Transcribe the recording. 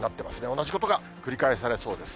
同じことが繰り返されそうです。